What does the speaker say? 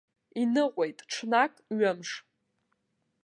Иныҟәеит ҽнак, ҩымш.